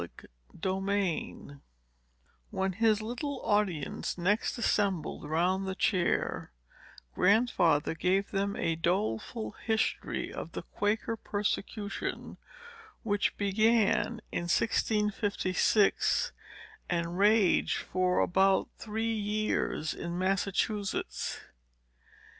Chapter VII When his little audience next assembled round the chair, Grandfather gave them a doleful history of the Quaker persecution, which began in 1656, and raged for about three years in Massachusetts.